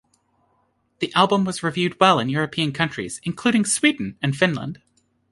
The album was reviewed well in European countries, including Sweden and Finland.